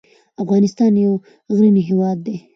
افغانستان یو غرنی هېواد دې .